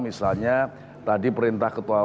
misalnya tadi perintah ketua